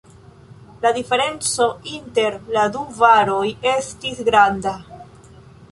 La diferenco inter la du varoj estis granda.